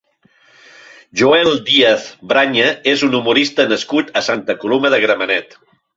Joel Díaz Braña és un humorista nascut a Santa Coloma de Gramenet.